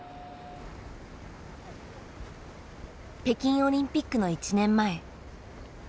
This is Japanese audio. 北京オリンピックの１年前。